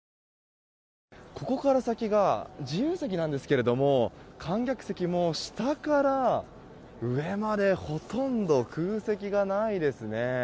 ここから先が自由席なんですけども観客席、下から上までほとんど空席がないですね。